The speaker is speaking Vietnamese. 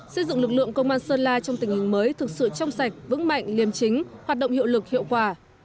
xây dựng lực lượng công an sơn la trong tình hình mới thực sự trong sạch vững mạnh liêm chính hoạt động hiệu lực hiệu quả